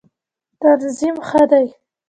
تنظیم ښه دی.